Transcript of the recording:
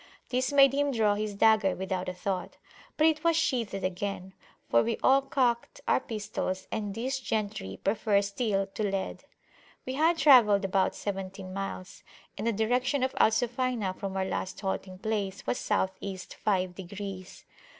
This made him draw his dagger without a thought; but it was sheathed again, for we all cocked our pistols, and these gentry prefer steel to lead. We had travelled about seventeen miles, and the direction of Al Sufayna from our last halting place was South East five degrees.